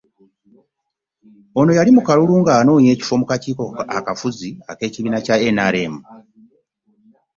Ono yali mu kalulu ng'anoonya ekifo ku kakiiko akafuzi ak'ekibiina Kya NRM